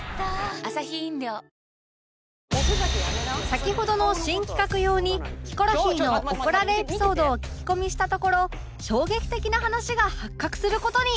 先ほどの新企画用にヒコロヒーの怒られエピソードを聞き込みしたところ衝撃的な話が発覚する事に！